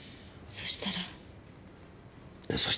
そしたら？